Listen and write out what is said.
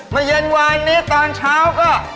มันในเย็นวานนี้ตอนเช้าก็